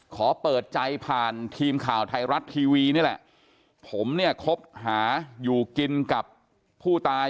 ขอเปิดใจผ่านทีมข่าวไทยรัฐทีวีนี่แหละผมเนี่ยคบหาอยู่กินกับผู้ตาย